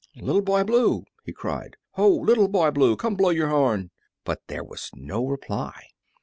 "Little Boy Blue!" he cried; "ho! Little Boy Blue, come blow your horn!" But there was no reply.